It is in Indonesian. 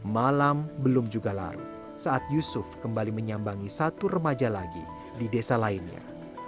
malam belum juga larut saat yusuf kembali menyambangi satu remaja lagi di desa lainnya